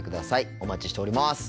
お待ちしております。